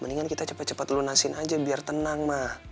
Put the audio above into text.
mendingan kita cepet cepet lunasin aja biar tenang ma